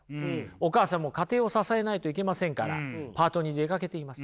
お母さんも家庭を支えないといけませんからパートに出かけています。